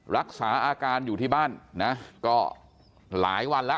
รักษาอาการอยู่ที่บ้านนะก็หลายวันแล้ว